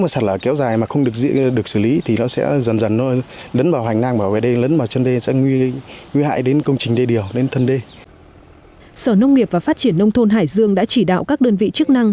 sở nông nghiệp và phát triển nông thôn hải dương đã chỉ đạo các đơn vị chức năng